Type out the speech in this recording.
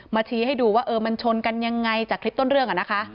ชี้ให้ดูว่าเออมันชนกันยังไงจากคลิปต้นเรื่องอะนะคะ